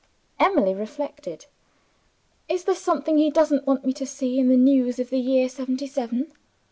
Emily reflected. "Is there something he doesn't want me to see, in the news of the year 'seventy seven?"